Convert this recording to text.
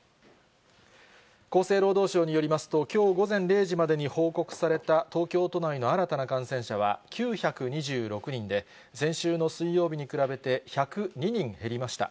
厚生労働省によりますと、きょう午前０時までに報告された、東京都内の新たな感染者は９２６人で、先週の水曜日に比べて１０２人減りました。